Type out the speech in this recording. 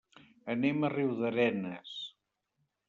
Anem a Riudarenes.